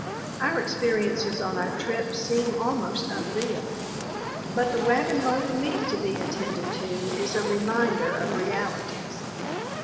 Our experiences on our trip seem almost unreal, but the wagon load of meat to be attended to is a reminder of realities.